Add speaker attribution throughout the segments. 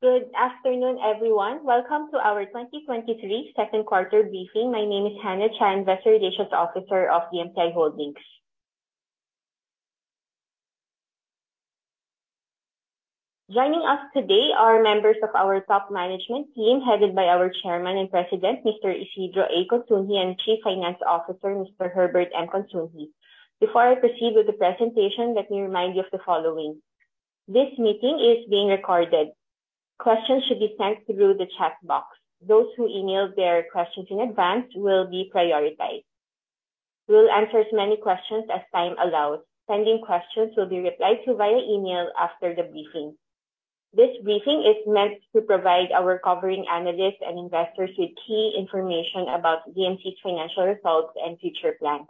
Speaker 1: Good afternoon, everyone. Welcome to our 2023 Second Quarter Briefing. My name is Hannah Chan, Investor Relations Officer of DMCI Holdings. Joining us today are members of our top management team, headed by our Chairman and President, Mr. Isidro A. Consunji, and Chief Finance Officer, Mr. Herbert M. Consunji. Before I proceed with the presentation, let me remind you of the following. This meeting is being recorded. Questions should be sent through the chat box. Those who emailed their questions in advance will be prioritized. We will answer as many questions as time allows. Pending questions will be replied to via email after the briefing. This briefing is meant to provide our covering analysts and investors with key information about DMCI's financial results and future plans.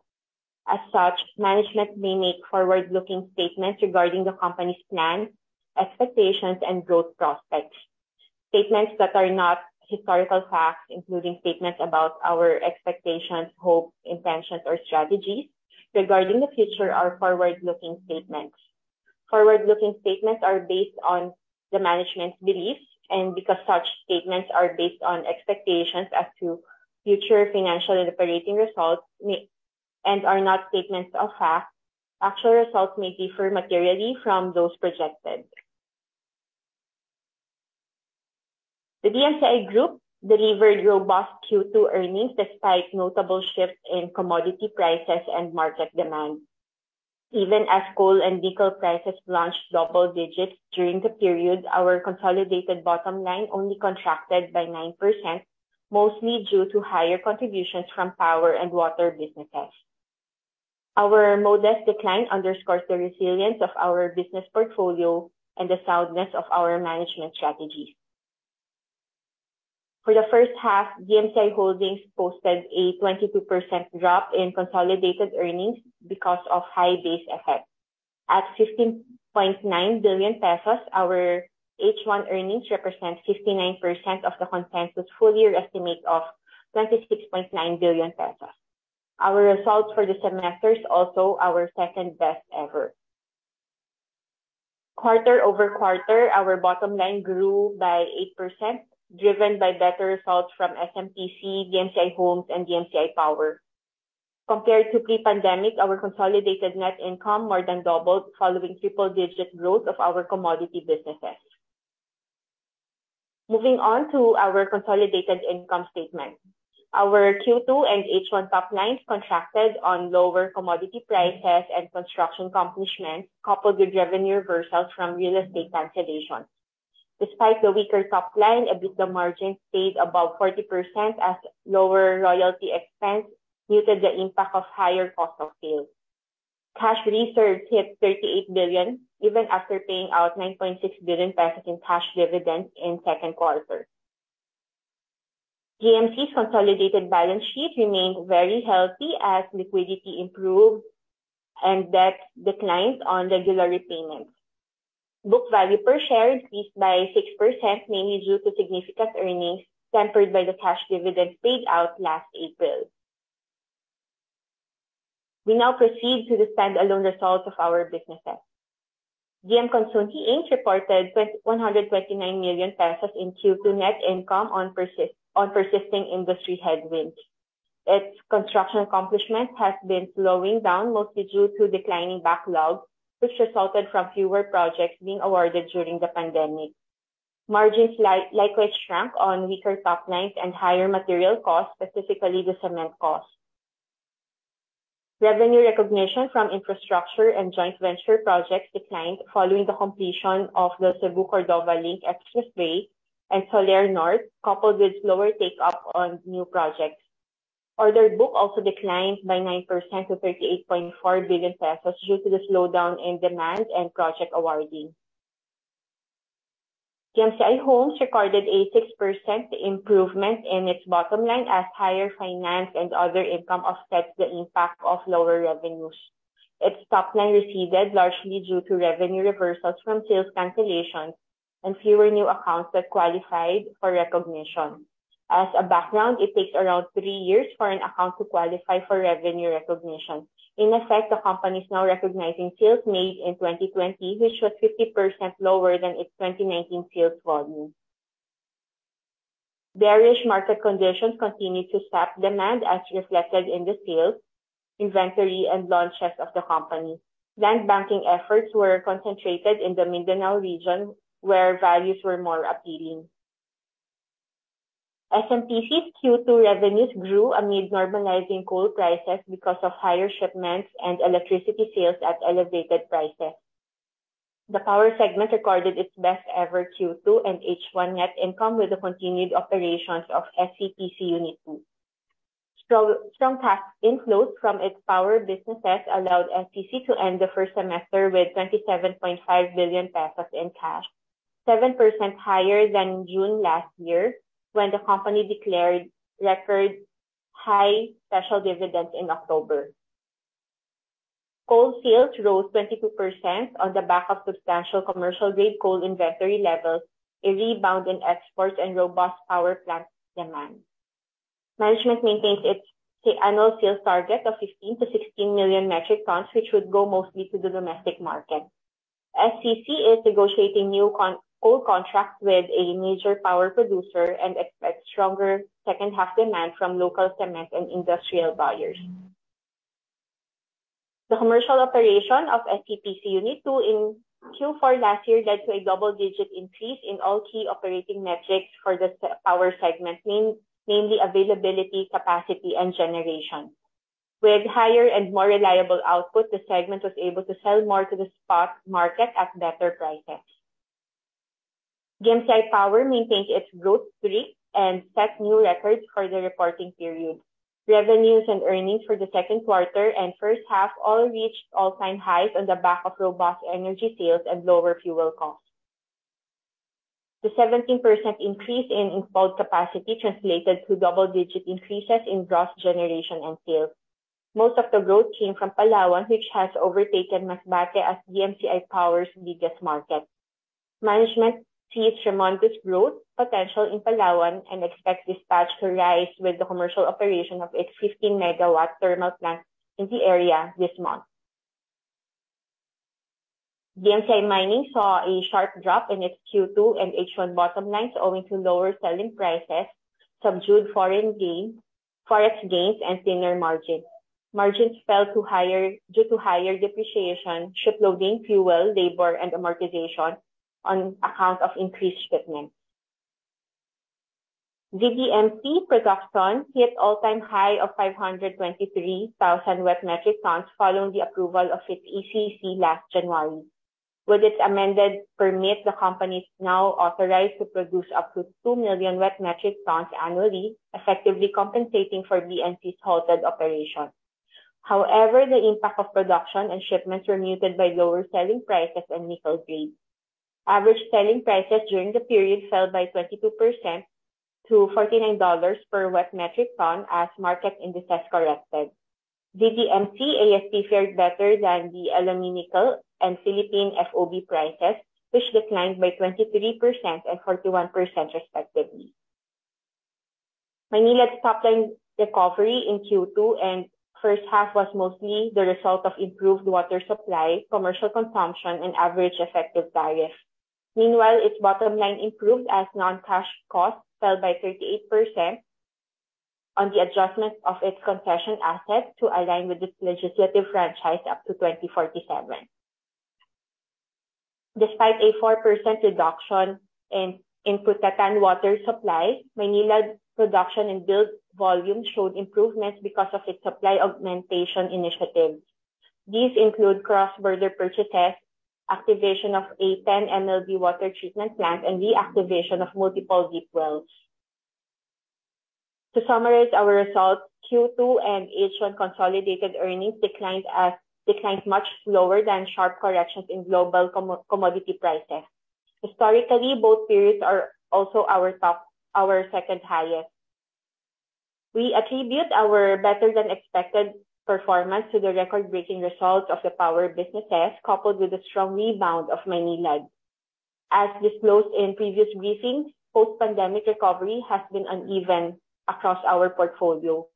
Speaker 1: As such, management may make forward-looking statements regarding the company's plans, expectations, and growth prospects. Statements that are not historical facts, including statements about our expectations, hopes, intentions, or strategies regarding the future, are forward-looking statements. Forward-looking statements are based on the management's beliefs. Because such statements are based on expectations as to future financial and operating results and are not statements of fact, actual results may differ materially from those projected. The DMCI Group delivered robust Q2 earnings despite notable shifts in commodity prices and market demand. Even as coal and diesel prices plunged double digits during the period, our consolidated bottom line only contracted by 9%, mostly due to higher contributions from power and water businesses. Our modest decline underscores the resilience of our business portfolio and the soundness of our management strategies. For the first half, DMCI Holdings posted a 22% drop in consolidated earnings because of high base effects. At 15.9 billion pesos, our H1 earnings represent 59% of the consensus full year estimate of 26.9 billion pesos. Our results for the semester is also our second best ever. Quarter-over-quarter, our bottom line grew by 8%, driven by better results from SMPC, DMCI Homes, and DMCI Power. Compared to pre-pandemic, our consolidated net income more than doubled following triple-digit growth of our commodity businesses. Moving on to our consolidated income statement. Our Q2 and H1 top lines contracted on lower commodity prices and construction accomplishments, coupled with revenue reversals from real estate cancellations. Despite the weaker top line, EBITDA margins stayed above 40% as lower royalty expense muted the impact of higher cost of sales. Cash reserves hit 38 billion, even after paying out 9.6 billion pesos in cash dividends in second quarter. DMCI's consolidated balance sheet remained very healthy as liquidity improved and debt declined on regular repayments. Book value per share increased by 6%, mainly due to significant earnings tempered by the cash dividends paid out last April. We now proceed to the standalone results of our businesses. D.M. Consunji, Inc. reported 129 million pesos in Q2 net income on persisting industry headwinds. Its construction accomplishment has been slowing down, mostly due to declining backlogs, which resulted from fewer projects being awarded during the pandemic. Margins likewise shrank on weaker top lines and higher material costs, specifically the cement costs. Revenue recognition from infrastructure and joint venture projects declined following the completion of the Cebu-Cordova Link Expressway and Tullahan North, coupled with slower take-up on new projects. Order book also declined by 9% to 38.4 billion pesos due to the slowdown in demand and project awarding. DMCI Homes recorded a 6% improvement in its bottom line as higher finance and other income offset the impact of lower revenues. Its top line receded largely due to revenue reversals from sales cancellations and fewer new accounts that qualified for recognition. As a background, it takes around 3 years for an account to qualify for revenue recognition. In effect, the company is now recognizing sales made in 2020, which was 50% lower than its 2019 sales volume. Bearish market conditions continued to sap demand as reflected in the sales, inventory, and launch tests of the company. Land banking efforts were concentrated in the Mindanao region, where values were more appealing. SMPC's Q2 revenues grew amid normalizing coal prices because of higher shipments and electricity sales at elevated prices. The power segment recorded its best ever Q2 and H1 net income with the continued operations of SCPC Unit Two. Strong cash inflows from its power businesses allowed SMPC to end the first semester with 27.5 billion pesos in cash, 7% higher than June last year, when the company declared record high special dividends in October. Coal sales rose 22% on the back of substantial commercial-grade coal inventory levels, a rebound in exports, and robust power plant demand. Management maintains its annual sales target of 15 million-16 million metric tons, which would go mostly to the domestic market. SCPC is negotiating new coal contracts with a major power producer and expects stronger second half demand from local cement and industrial buyers. The commercial operation of SMPC unit two in Q4 last year led to a double-digit increase in all key operating metrics for the Semirara power segment, mainly availability, capacity, and generation. With higher and more reliable output, the segment was able to sell more to the spot market at better prices. DMCI Power maintains its growth streak and set new records for the reporting period. Revenues and earnings for the second quarter and first half all reached all-time highs on the back of robust energy sales and lower fuel costs. The 17% increase in installed capacity translated to double-digit increases in gross generation and sales. Most of the growth came from Palawan, which has overtaken Masbate as DMCI Power's biggest market. Management sees tremendous growth potential in Palawan and expects dispatch to rise with the commercial operation of its 15-megawatt thermal plant in the area this month. DMCI Mining saw a sharp drop in its Q2 and H1 bottom lines owing to lower selling prices, subdued forex gains, and thinner margins. Margins fell due to higher depreciation, shiploading, fuel, labor, and amortization on account of increased shipments. DMCI production hit all-time high of 523,000 wet metric tons following the approval of its ECC last January. With its amended permit, the company is now authorized to produce up to 2 million wet metric tons annually, effectively compensating for DMCI's halted operation. However, the impact of production and shipments were muted by lower selling prices and nickel grade. Average selling prices during the period fell by 22% to $49 per wet metric ton as market indices corrected. DMCI ASP fared better than the LME Nickel and Philippine FOB prices, which declined by 23% and 41% respectively. Maynilad's top-line recovery in Q2 and first half was mostly the result of improved water supply, commercial consumption, and average effective tariff. Meanwhile, its bottom line improved as non-cash costs fell by 38% on the adjustment of its concession asset to align with its legislative franchise up to 2047. Despite a 4% reduction in Putatan water supply, Maynilad's production and billed volume showed improvements because of its supply augmentation initiatives. These include cross-border purchases, activation of Aten MLV water treatment plant, and reactivation of multiple deep wells. To summarize our results, Q2 and H1 consolidated earnings declined much slower than sharp corrections in global commodity prices. Historically, both periods are also our second highest. We attribute our better than expected performance to the record-breaking results of the power businesses, coupled with the strong rebound of Maynilad. As disclosed in previous briefings, post-pandemic recovery has been uneven across our portfolio.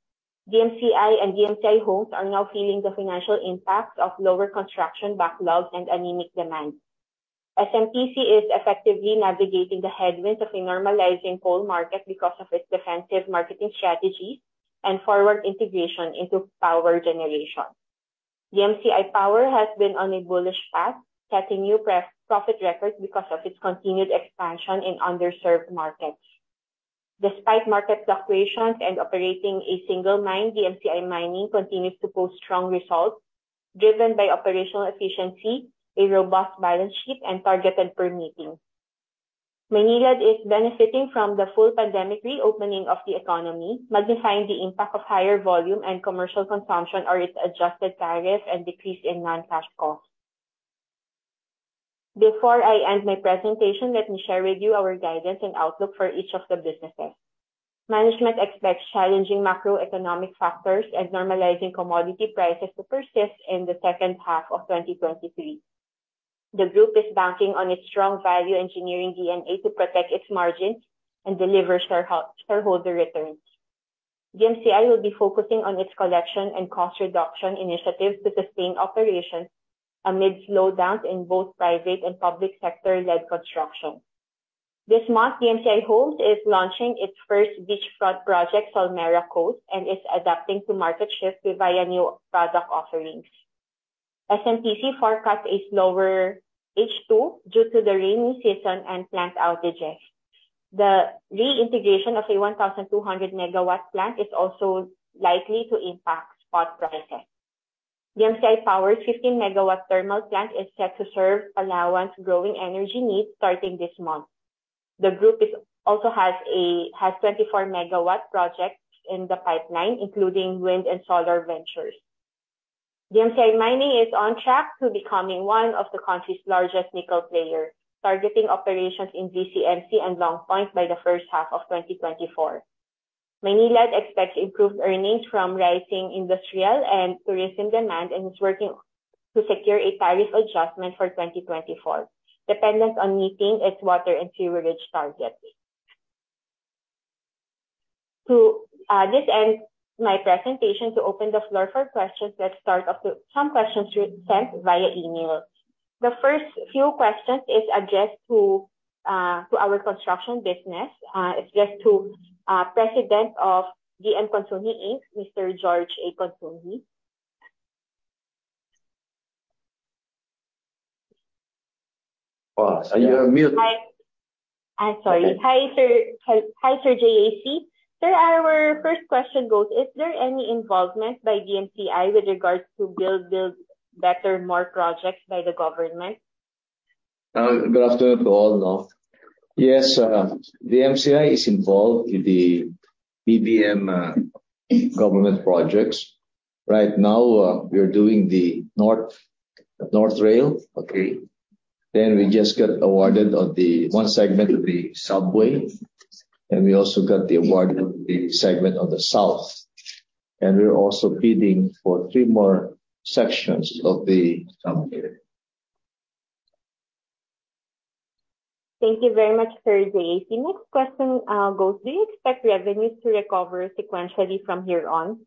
Speaker 1: DMCI and DMCI Homes are now feeling the financial impacts of lower construction backlogs and anemic demand. SMPC is effectively navigating the headwinds of a normalizing coal market because of its defensive marketing strategies and forward integration into power generation. DMCI Power has been on a bullish path, setting new profit records because of its continued expansion in underserved markets. Despite market fluctuations and operating a single mine, DMCI Mining continues to post strong results driven by operational efficiency, a robust balance sheet, and targeted permitting. Maynilad is benefiting from the full pandemic reopening of the economy, magnifying the impact of higher volume and commercial consumption on its adjusted tariff and decrease in non-cash costs. Before I end my presentation, let me share with you our guidance and outlook for each of the businesses. Management expects challenging macroeconomic factors and normalizing commodity prices to persist in the second half of 2023. The group is banking on its strong value engineering DNA to protect its margins and deliver shareholder returns. DMCI will be focusing on its collection and cost reduction initiatives to sustain operations amid slowdowns in both private and public sector-led construction. This month, DMCI Homes is launching its first beachfront project, Solmera Coast, and is adapting to market shifts via new product offerings. SMPC forecasts a slower H2 due to the rainy season and plant outages. The reintegration of a 1,200-megawatt plant is also likely to impact spot prices. DMCI Power's 15-megawatt thermal plant is set to serve Palawan's growing energy needs starting this month. The group also has 24-megawatt projects in the pipeline, including wind and solar ventures. DMCI Mining is on track to becoming one of the country's largest nickel players, targeting operations in ZDMC and Long Point by the first half of 2024. Maynilad expects improved earnings from rising industrial and tourism demand and is working to secure a tariff adjustment for 2024, dependent on meeting its water and sewerage targets. This ends my presentation to open the floor for questions. Let's start off with some questions you sent via email. The first few questions is addressed to our construction business, addressed to President of D.M. Consunji, Inc., Mr. Jorge A. Consunji.
Speaker 2: Oh, you are mute.
Speaker 1: I'm sorry.
Speaker 2: Okay.
Speaker 1: Hi, sir. Hi, Sir JAC. Sir, our first question goes: Is there any involvement by DMCI with regards to Build Better More projects by the government?
Speaker 2: Good afternoon to all. Yes, DMCI is involved in the BBM government projects. Right now, we are doing the North Rail. Okay. Then we just got awarded on the one segment of the subway, and we also got the award of the segment of the South. We're also bidding for three more sections of the subway.
Speaker 1: Thank you very much, Sir JAC. Next question goes: Do you expect revenues to recover sequentially from here on?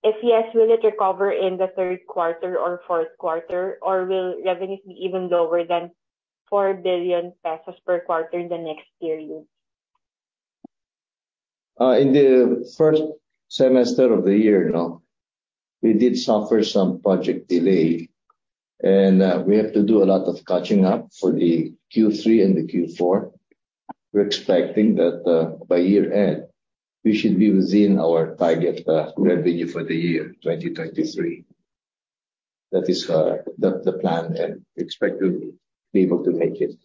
Speaker 1: If yes, will it recover in the third quarter or fourth quarter, or will revenues be even lower than 4 billion pesos per quarter in the next period?
Speaker 2: In the first semester of the year, you know, we did suffer some project delay, and we have to do a lot of catching up for the Q3 and the Q4. We're expecting that by year-end, we should be within our target revenue for the year 2023. That is the plan, and we expect to be able to make it.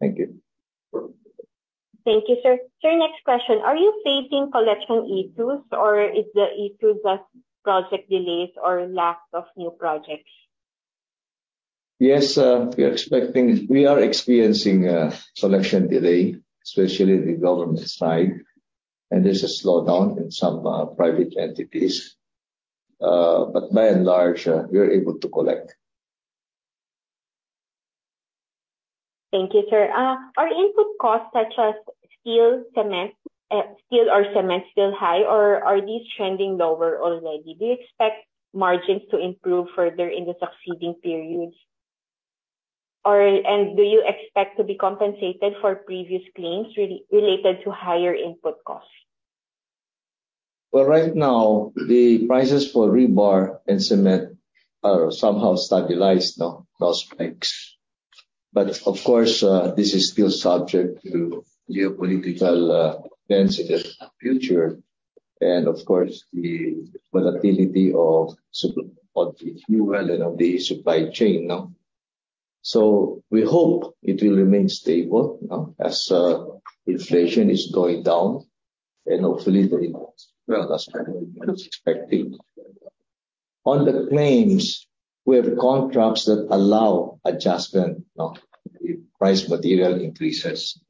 Speaker 2: Thank you.
Speaker 1: Thank you, sir. Sir, next question: Are you facing collection issues, or is the issue just project delays or lack of new projects?
Speaker 2: Yes, we are experiencing collection delay, especially the government side, and there's a slowdown in some private entities. By and large, we are able to collect.
Speaker 1: Thank you, sir. Are input costs such as steel or cement still high, or are these trending lower already? Do you expect margins to improve further in the succeeding periods? And do you expect to be compensated for previous claims related to higher input costs?
Speaker 2: Well, right now, the prices for rebar and cement are somehow stabilized now, no spikes. Of course, this is still subject to geopolitical events in the future and of course, the volatility of the fuel and of the supply chain. We hope it will remain stable, as inflation is going down and hopefully the expecting. On the claims, we have contracts that allow adjustment now if material prices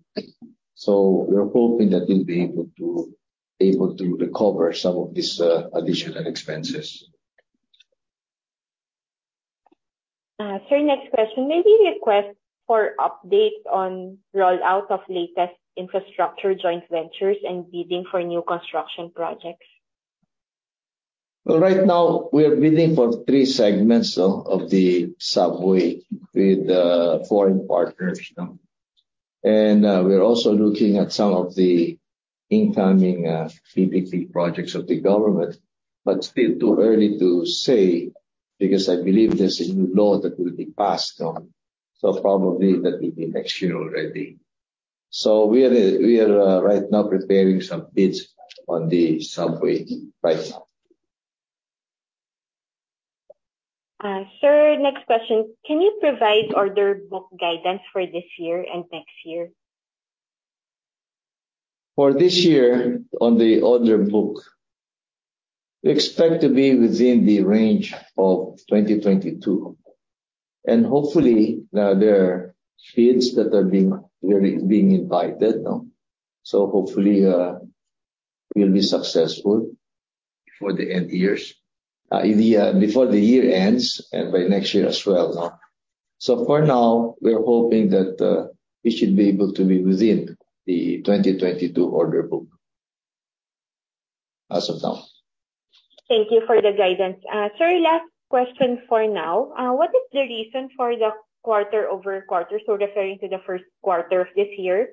Speaker 2: increase. We are hoping that we'll be able to recover some of these additional expenses.
Speaker 1: Sir, next question. May we request for update on rollout of latest infrastructure joint ventures and bidding for new construction projects?
Speaker 2: Well, right now, we are bidding for 3 segments of the subway with foreign partners. We are also looking at some of the incoming PPP projects of the government, but still too early to say because I believe there's a new law that will be passed on. Probably that will be next year already. We are right now preparing some bids on the subway right now.
Speaker 1: Sir, next question. Can you provide order book guidance for this year and next year?
Speaker 2: For this year, on the order book, we expect to be within the range of 20-22. Hopefully, there are bids that are being invited, so hopefully, we'll be successful before the year ends and by next year as well. For now, we are hoping that we should be able to be within the 20-22 order book as of now.
Speaker 1: Thank you for the guidance. Sir, last question for now. What is the reason for the quarter-over-quarter, so referring to the first quarter of this year,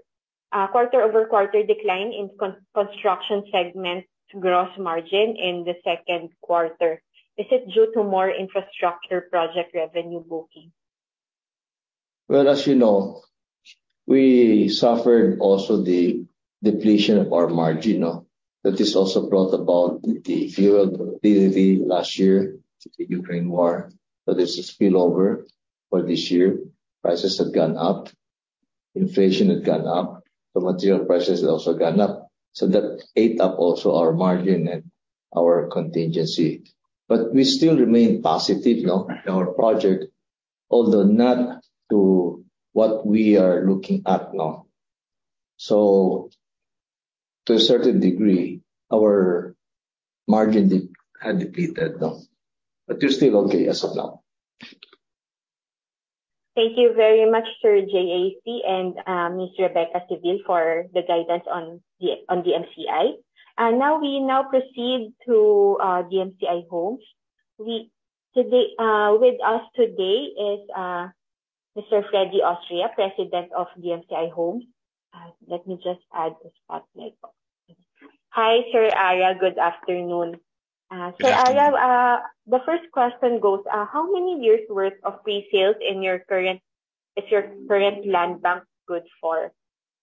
Speaker 1: quarter-over-quarter decline in construction segment gross margin in the second quarter? Is it due to more infrastructure project revenue booking?
Speaker 2: Well, as you know, we suffered also the depletion of our margin, no. That is also brought about the fuel volatility last year, the Ukraine war. There's a spillover for this year. Prices have gone up. Inflation has gone up. The material prices have also gone up. That ate up also our margin and our contingency. We still remain positive now in our project, although not to what we are looking at now. To a certain degree, our margin had depleted, no? We're still okay as of now.
Speaker 1: Thank you very much, Sir JAC, and Miss Rebecca Civil for the guidance on DMCI. Now we proceed to DMCI Homes. Today, with us today is Mr. Alfredo Austria, President of DMCI Homes. Let me just add the spotlight. Hi, Sir Aya. Good afternoon.
Speaker 3: Good afternoon.
Speaker 1: Sir Aya, the first question goes, how many years' worth of pre-sales is your current land bank good for?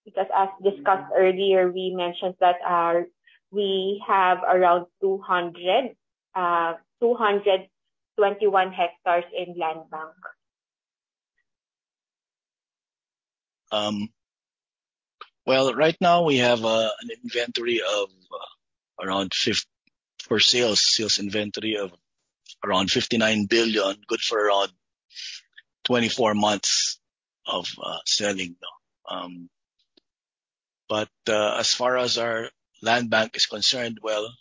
Speaker 1: Because as discussed earlier, we mentioned that we have around 221 hectares in land bank.
Speaker 3: Well, right now we have pre-sales inventory of around 59 billion, good for around 24 months of selling now. As far as our land bank is concerned, well,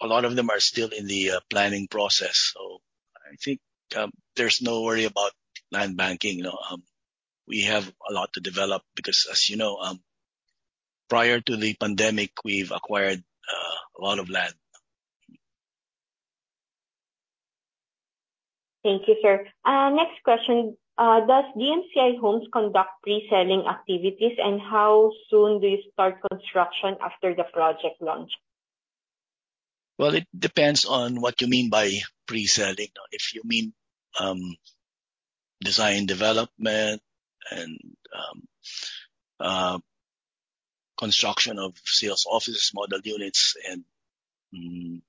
Speaker 3: a lot of them are still in the planning process. I think there's no worry about land banking, you know. We have a lot to develop because as you know, prior to the pandemic, we've acquired a lot of land.
Speaker 1: Thank you, sir. Next question. Does DMCI Homes conduct pre-selling activities, and how soon do you start construction after the project launch?
Speaker 3: Well, it depends on what you mean by pre-selling. If you mean design development and construction of sales offices, model units and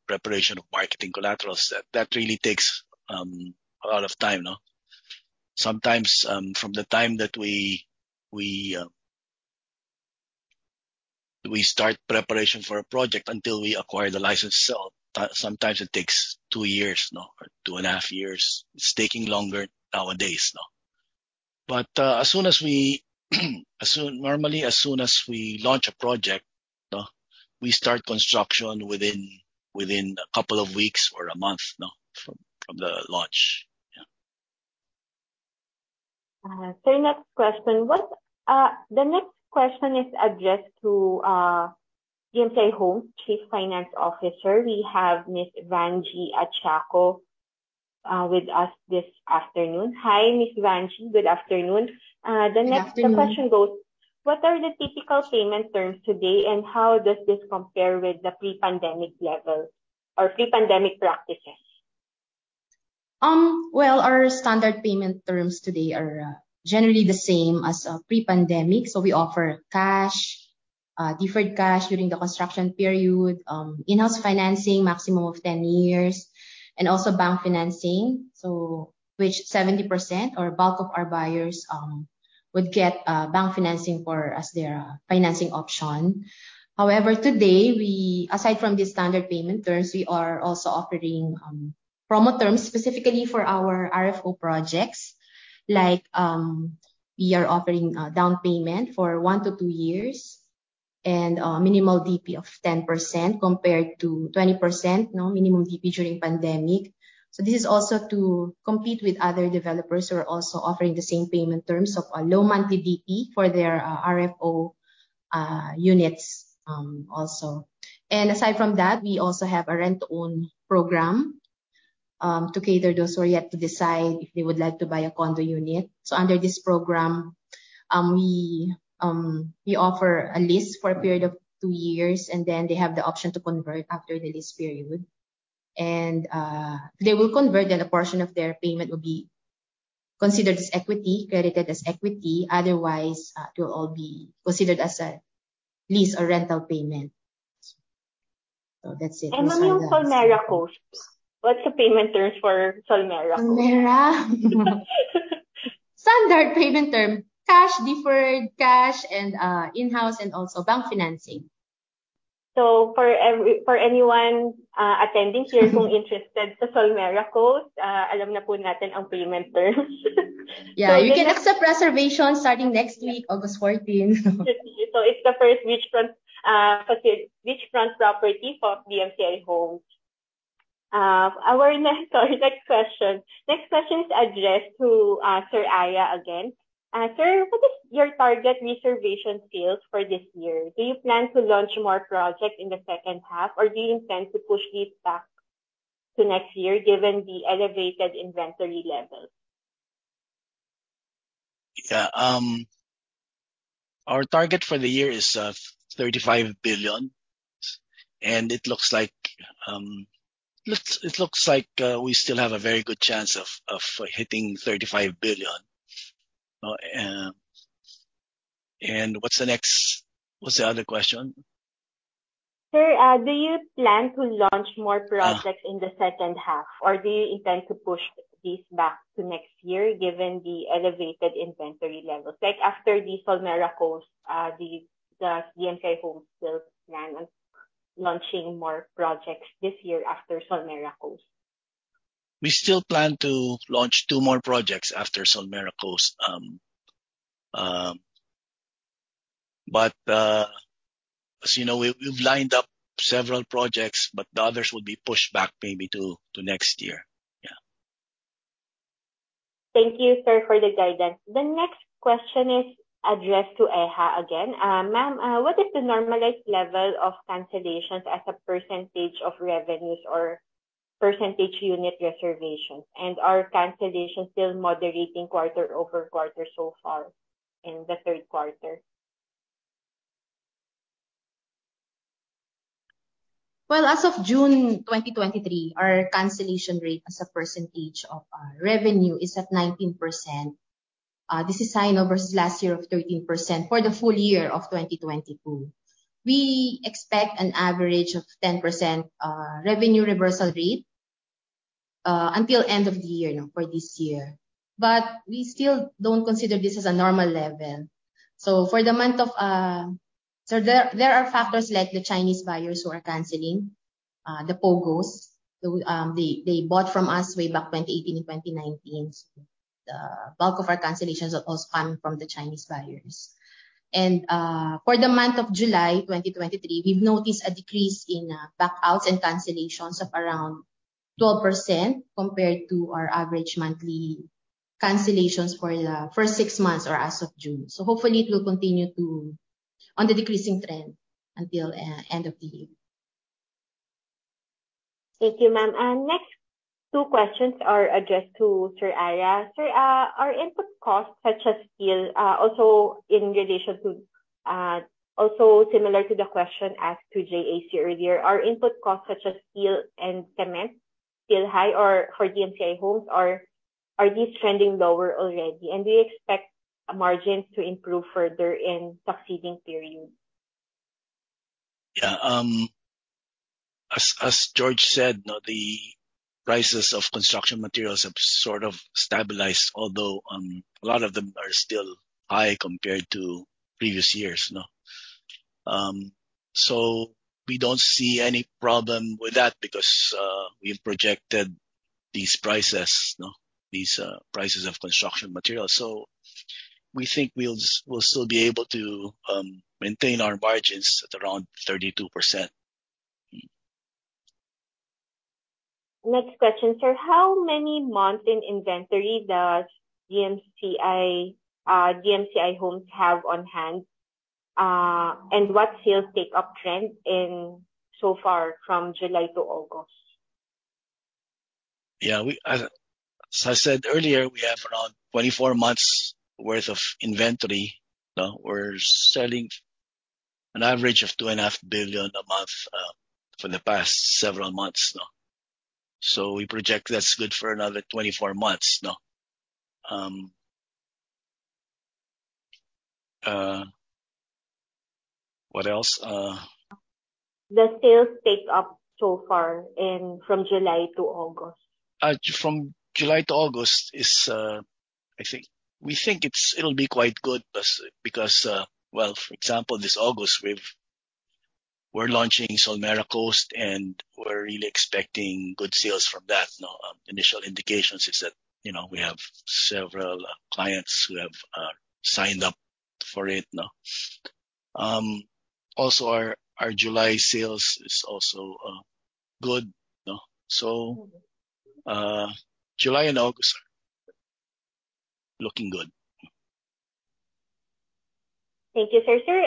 Speaker 3: preparation of marketing collaterals, that really takes a lot of time, no? Sometimes from the time that we start preparation for a project until we acquire the license, so sometimes it takes two years no, or two and a half years. It's taking longer nowadays no. Normally, as soon as we launch a project no, we start construction within a couple of weeks or a month no, from the launch. Yeah.
Speaker 1: Sir, next question. The next question is addressed to DMCI Homes Chief Finance Officer. We have Miss Vangie Achaco with us this afternoon. Hi, Miss Vangie. Good afternoon.
Speaker 4: Good afternoon.
Speaker 1: The question goes, what are the typical payment terms today, and how does this compare with the pre-pandemic level or pre-pandemic practices?
Speaker 4: Well, our standard payment terms today are generally the same as pre-pandemic. We offer cash, deferred cash during the construction period, in-house financing maximum of 10 years, and also bank financing. With 70% or bulk of our buyers would get bank financing as their financing option. However, today, aside from the standard payment terms, we are also offering promo terms specifically for our RFO projects. Like, we are offering down payment for one to two years and minimal DP of 10% compared to 20% minimum DP during pandemic. This is also to compete with other developers who are also offering the same payment terms of a low monthly DP for their RFO units, also. Aside from that, we also have a rent-to-own program, to cater those who are yet to decide if they would like to buy a condo unit. Under this program, we offer a lease for a period of two years, and then they have the option to convert after the lease period. They will convert, and a portion of their payment will be considered as equity, credited as equity. Otherwise, it will all be considered as a lease or rental payment. That's it.
Speaker 1: What about Solmera Coast? What's the payment terms for Solmera Coast?
Speaker 4: Solmera Coast? Standard payment term. Cash, deferred cash and, in-house and also bank financing.
Speaker 1: For anyone attending here who's interested to Solmera Coast, we now know the payment terms.
Speaker 4: Yeah. You can accept reservations starting next week, August fourteenth.
Speaker 1: It's the first beachfront property for DMCI Homes. Next question is addressed to Sir AYA again. Sir, what is your target reservation sales for this year? Do you plan to launch more projects in the second half, or do you intend to push these back to next year given the elevated inventory levels?
Speaker 3: Yeah. Our target for the year is 35 billion. It looks like we still have a very good chance of hitting 35 billion. What's the other question?
Speaker 1: Sir, do you plan to launch more projects in the second half, or do you intend to push these back to next year given the elevated inventory levels? Like after the Solmera Coast, the DMCI Homes still plan on launching more projects this year after Solmera Coast?
Speaker 3: We still plan to launch two more projects after Solmera Coast. As you know, we've lined up several projects, but the others will be pushed back maybe to next year. Yeah.
Speaker 1: Thank you, sir, for the guidance. The next question is addressed to EHA again. Ma'am, what is the normalized level of cancellations as a percentage of revenues or percentage unit reservations? And are cancellations still moderating quarter-over-quarter so far in the third quarter?
Speaker 4: As of June 2023, our cancellation rate as a percentage of our revenue is at 19%. This is high versus last year of 13% for the full year of 2022. We expect an average of 10% revenue reversal rate until end of the year for this year. We still don't consider this as a normal level. There are factors like the Chinese buyers who are canceling the POGOs. They bought from us way back 2018 and 2019. The bulk of our cancellations are all coming from the Chinese buyers. For the month of July 2023, we've noticed a decrease in blackouts and cancellations of around 12% compared to our average monthly cancellations for the first six months or as of June. Hopefully it will continue on the decreasing trend until end of the year.
Speaker 1: Thank you, ma'am. Next two questions are addressed to Sir AYA. Sir, are input costs such as steel also in relation to also similar to the question asked to JAC earlier. Are input costs such as steel and cement still high or for DMCI Homes, or are these trending lower already? Do you expect margins to improve further in succeeding periods?
Speaker 3: Yeah. As Jorge said, you know, the prices of construction materials have sort of stabilized, although a lot of them are still high compared to previous years, you know. We don't see any problem with that because we've projected these prices, you know, prices of construction materials. We think we'll still be able to maintain our margins at around 32%.
Speaker 1: Next question, sir. How many months in inventory does DMCI Homes have on hand? What sales take-up trend is so far from July to August?
Speaker 3: As I said earlier, we have around 24 months worth of inventory. You know, we're selling an average of 2.5 billion a month, for the past several months, you know. We project that's good for another 24 months, you know. What else?
Speaker 1: The sales take-up so far from July to August.
Speaker 3: From July to August it'll be quite good because, well, for example, this August, we're launching Solmera Coast, and we're really expecting good sales from that. You know, initial indications is that, you know, we have several clients who have signed up for it, you know. Also our July sales is also good, you know. July and August looking good.
Speaker 1: Thank you, sir. Sir,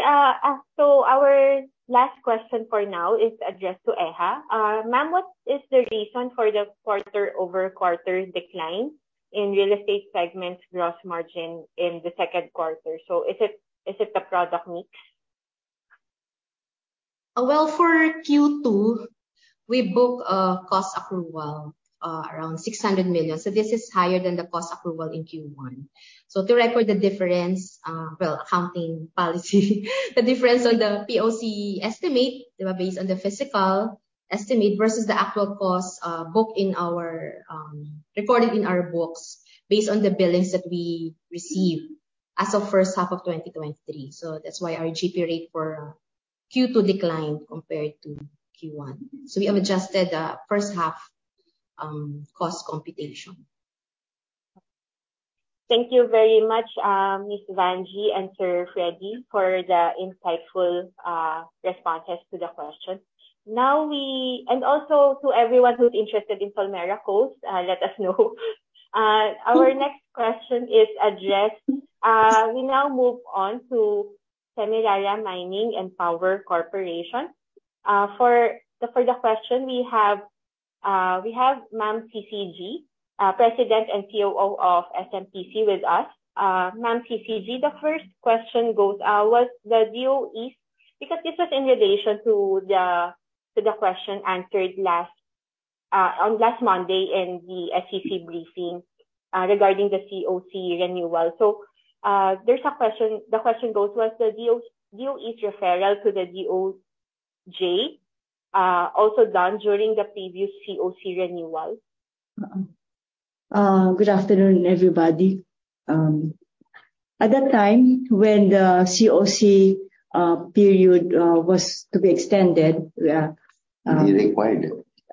Speaker 1: so our last question for now is addressed to EHA. Ma'am, what is the reason for the quarter-over-quarter decline in real estate segment gross margin in the second quarter? Is it the product mix?
Speaker 4: Well, for Q2, we book a cost approval around 600 million. This is higher than the cost approval in Q1. To record the difference, accounting policy, the difference on the POC estimate based on the physical estimate versus the actual cost recorded in our books based on the billings that we receive as of first half of 2023. That's why our GP rate for Q2 declined compared to Q1. We have adjusted the first half cost computation.
Speaker 1: Thank you very much, Miss Vanji and Sir Freddy for the insightful responses to the questions. Now, also to everyone who's interested in Solmera Coast, let us know. Our next question is addressed. We now move on to Semirara Mining and Power Corporation. For the question we have, we have Ma'am CCG, President and COO of SMPC with us. Ma'am CCG, the first question goes, was the DOE. Because this was in relation to the question answered last Monday in the SEC briefing regarding the COC renewal. There's a question. The question goes, was the DOE's referral to the DOJ also done during the previous COC renewal?
Speaker 5: Good afternoon, everybody. At that time when the COC period was to be extended.
Speaker 3: Be required.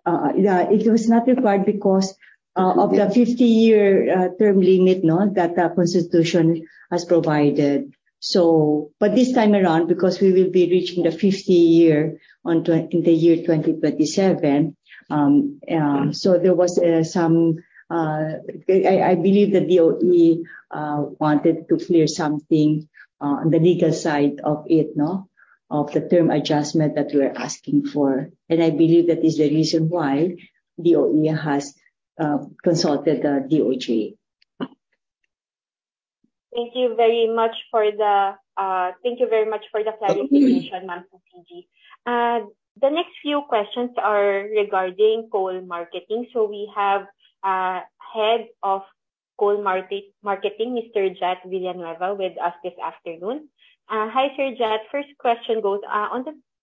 Speaker 5: It was not required because of the 50-year term limit that the constitution has provided. This time around, because we will be reaching the 50-year in the year 2027, I believe the DOE wanted to clear something on the legal side of the term adjustment that we are asking for. I believe that is the reason why DOE has consulted DOJ.
Speaker 1: Thank you very much for the clarification, Ma'am CCG. The next few questions are regarding coal marketing. We have our head of coal marketing, Mr. Jat Villanueva, with us this afternoon. Hi, Sir Jat. First question goes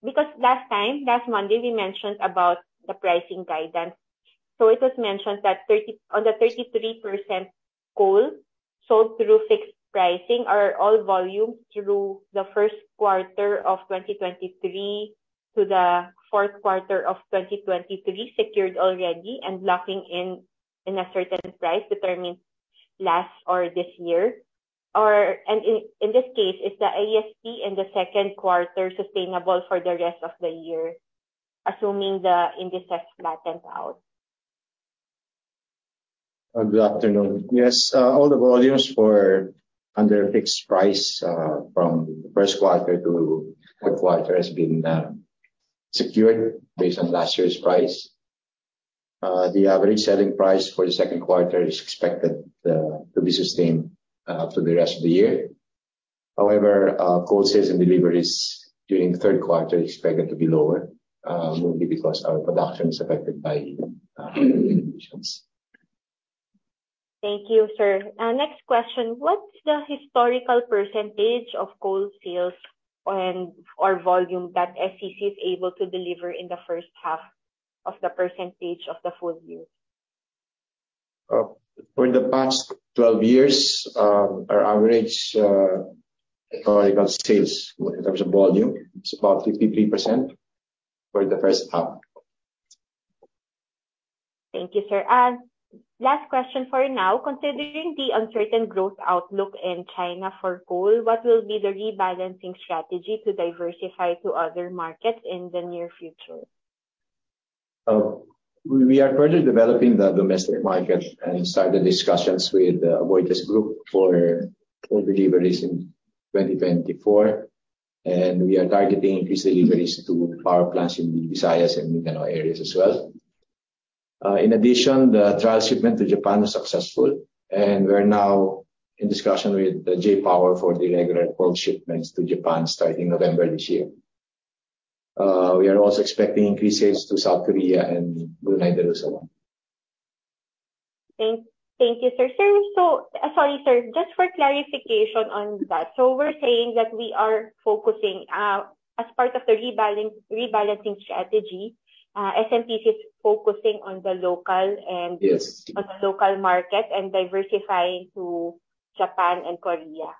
Speaker 1: because last time, last Monday, we mentioned about the pricing guidance. It was mentioned that 33% coal sold through fixed pricing are all volumes through the first quarter of 2023 to the fourth quarter of 2023 secured already and locking in a certain price determined last or this year. In this case, is the ASP in the second quarter sustainable for the rest of the year, assuming the index flattens out?
Speaker 6: Good afternoon. Yes, all the volumes for under fixed price from the first quarter to third quarter has been secured based on last year's price. The average selling price for the second quarter is expected to be sustained for the rest of the year. However, coal sales and deliveries during the third quarter is expected to be lower mainly because our production is affected by conditions.
Speaker 1: Thank you, sir. Next question. What's the historical percentage of coal sales and/or volume that SEC is able to deliver in the first half of the percentage of the full year?
Speaker 6: For the past 12 years, our average historical sales in terms of volume is about 53% for the first half.
Speaker 1: Thank you, sir. Last question for now. Considering the uncertain growth outlook in China for coal, what will be the rebalancing strategy to diversify to other markets in the near future?
Speaker 6: We are further developing the domestic market and started discussions with the Aboitiz Group for coal deliveries in 2024, and we are targeting increased deliveries to power plants in the Visayas and Mindanao areas as well. In addition, the trial shipment to Japan was successful, and we're now in discussion with J-POWER for the regular coal shipments to Japan starting November this year. We are also expecting increased sales to South Korea and United Arab Emirates.
Speaker 1: Thank you, sir. Sir, sorry, sir. Just for clarification on that. We're saying that we are focusing as part of the rebalancing strategy. SMP is focusing on the local and-
Speaker 6: Yes.
Speaker 1: on the local market and diversifying to Japan and Korea.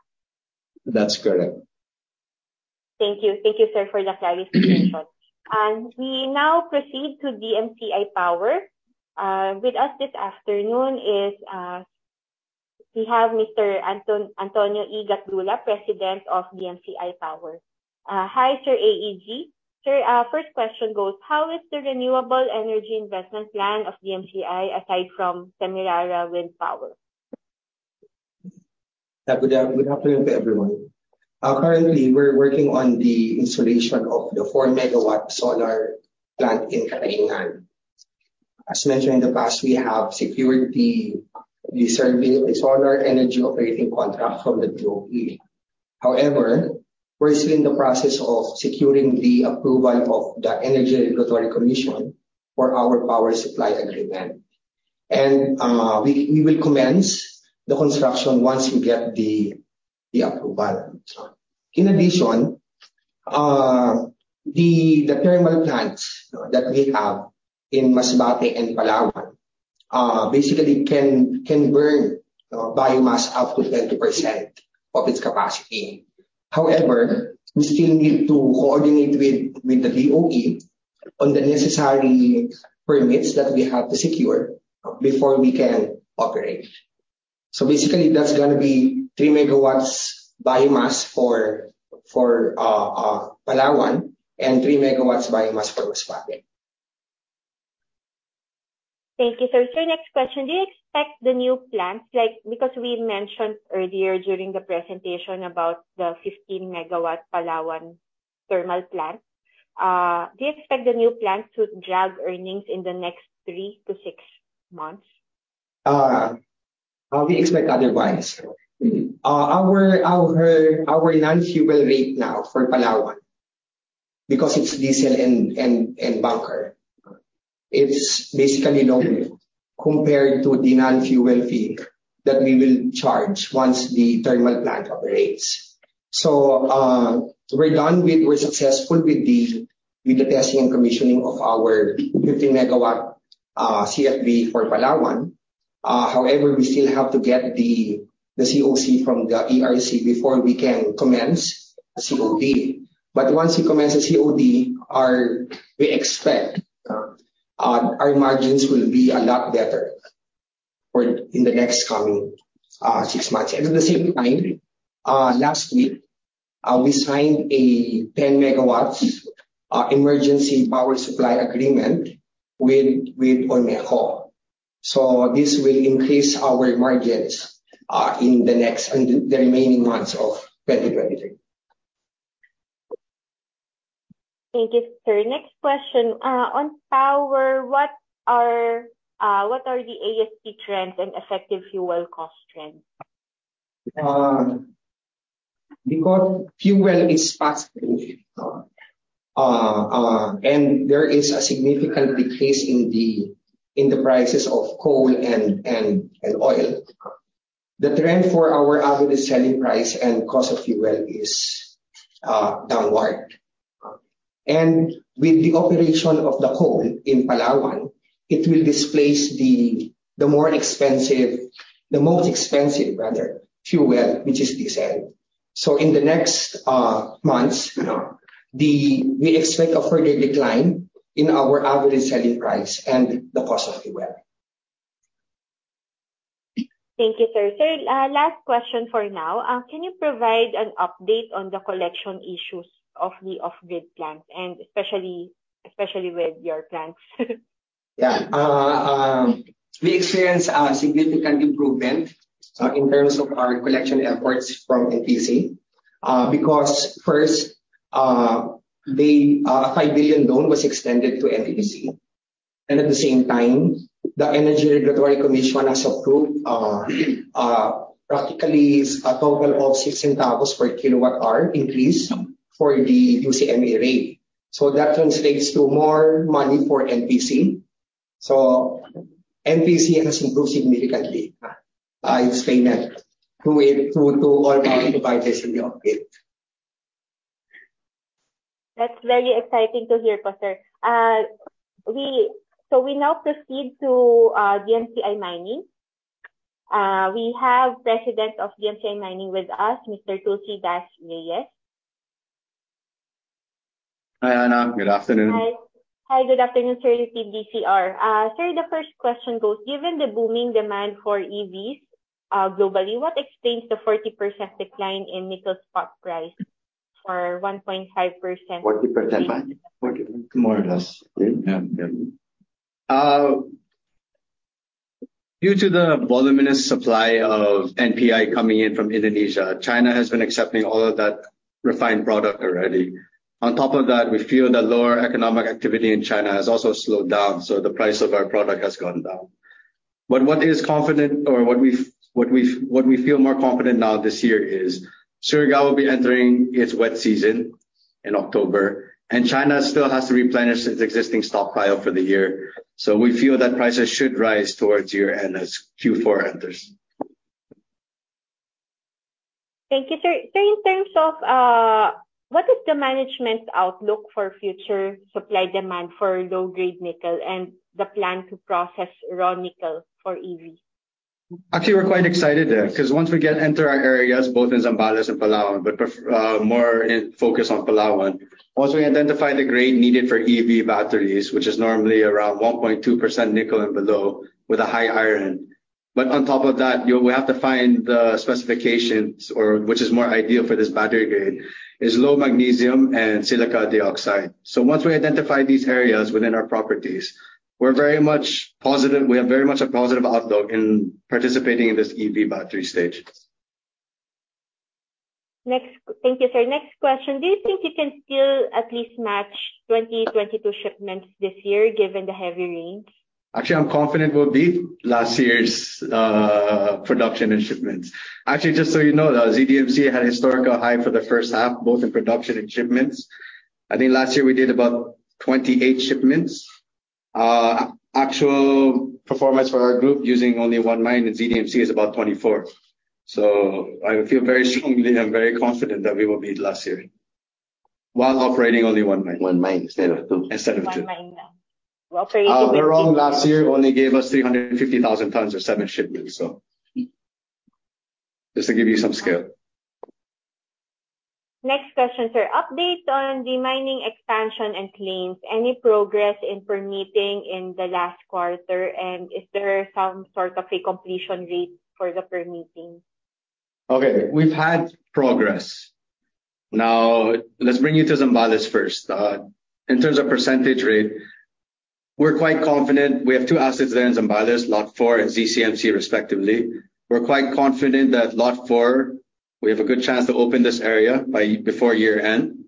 Speaker 6: That's correct.
Speaker 1: Thank you. Thank you, sir, for the clarification. We now proceed to DMCI Power. With us this afternoon is, we have Mr. Anton, Antonino E. Gatdula, President of DMCI Power. Hi, Sir AEG. Sir, our first question goes: How is the renewable energy investment plan of DMCI aside from Semirara Wind Power?
Speaker 7: Yeah. Good afternoon to everyone. Currently, we're working on the installation of the 4-megawatt solar plant in Caticlan. As mentioned in the past, we have secured the reserve solar energy operating contract from the DOE. However, we're still in the process of securing the approval of the Energy Regulatory Commission for our power supply agreement. We will commence the construction once we get the approval. In addition, the thermal plants that we have in Masbate and Palawan basically can burn biomass up to 20% of its capacity. However, we still need to coordinate with the DOE on the necessary permits that we have to secure before we can operate. Basically, that's gonna be 3 megawatts biomass for Palawan and 3 megawatts biomass for Masbate.
Speaker 1: Thank you, sir. Sir, next question. Do you expect the new plants, like, because we mentioned earlier during the presentation about the 15-megawatt Palawan thermal plant, do you expect the new plant to drag earnings in the next three to six months?
Speaker 7: We expect otherwise. Our non-fuel rate now for Palawan, because it's diesel and bunker, it's basically low compared to the non-fuel fee that we will charge once the thermal plant operates. We're successful with the testing and commissioning of our 15-MW CFB for Palawan. However, we still have to get the COC from the ERC before we can commence COD. Once we commence the COD, we expect our margins will be a lot better in the next coming six months. At the same time, last week, we signed a 10-MW emergency power supply agreement with Ormeco. This will increase our margins in the next and the remaining months of 2023.
Speaker 1: Thank you, sir. Next question. On power, what are the ASP trends and effective fuel cost trends?
Speaker 7: Because fuel is pass-through, and there is a significant decrease in the prices of coal and oil. The trend for our average selling price and cost of fuel is downward. With the operation of the coal in Palawan, it will displace the most expensive fuel, which is diesel. In the next months, we expect a further decline in our average selling price and the cost of fuel.
Speaker 1: Thank you, sir. Sir, last question for now. Can you provide an update on the collection issues of the off-grid plants, and especially with your plants?
Speaker 7: We experienced a significant improvement in terms of our collection efforts from NPC. Because first, a 5 billion loan was extended to NPC, and at the same time, the Energy Regulatory Commission has approved practically a total of six centavos per kilowatt hour increase for the UCME rate. That translates to more money for NPC. NPC has improved significantly its payment to all power providers in the off-grid.
Speaker 1: That's very exciting to hear, sir. We now proceed to DMCI Mining. We have President of DMCI Mining with us, Mr. Tulsidas Reyes.
Speaker 8: Hi, Anna. Good afternoon.
Speaker 1: Hi. Hi, good afternoon, sir. TDCR. Sir, the first question goes: Given the booming demand for EVs globally, what explains the 40% decline in nickel spot price for 1.5%-
Speaker 8: 40%, right? 40, more or less. Yeah. Yeah. Due to the voluminous supply of NPI coming in from Indonesia, China has been accepting all of that refined product already. On top of that, we feel the lower economic activity in China has also slowed down, so the price of our product has gone down. What we feel more confident now this year is Surigao will be entering its wet season in October, and China still has to replenish its existing stockpile for the year. We feel that prices should rise towards year-end as Q4 enters.
Speaker 1: Thank you, sir. Sir, in terms of, what is the management outlook for future supply demand for low-grade nickel and the plan to process raw nickel for EV?
Speaker 8: Actually, we're quite excited there because once we get enter our areas, both in Zambales and Palawan, but more in focus on Palawan. Once we identify the grade needed for EV batteries, which is normally around 1.2% nickel and below with a high iron. But on top of that, you know, we have to find the specifications or which is more ideal for this battery grade, is low magnesium and silica dioxide. Once we identify these areas within our properties, we're very much positive we have very much a positive outlook in participating in this EV battery stage.
Speaker 1: Thank you, sir. Next question. Do you think you can still at least match 2022 shipments this year given the heavy rains?
Speaker 8: Actually, I'm confident we'll beat last year's production and shipments. Actually, just so you know, the ZDMC had a historical high for the first half, both in production and shipments. I think last year we did about 28 shipments. Actual performance for our group using only one mine in ZDMC is about 24. I feel very strongly and very confident that we will beat last year while operating only one mine.
Speaker 7: One mine instead of two.
Speaker 8: Instead of two.
Speaker 1: One mine now.
Speaker 8: Our Berong last year only gave us 350,000 tons or seven shipments, so just to give you some scale.
Speaker 1: Next question, sir. Update on the mining expansion and claims, any progress in permitting in the last quarter? Is there some sort of a completion rate for the permitting?
Speaker 8: Okay, we've had progress. Now, let's bring you to Zambales first. In terms of progress rate, we're quite confident. We have two assets there in Zambales, Lot four and ZCMC, respectively. We're quite confident that Lot four, we have a good chance to open this area before year-end.